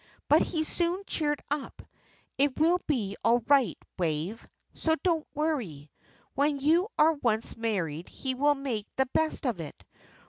But he soon cheered up. It will be all right, Wave, so don't worry. When you are once married he will make the best of it.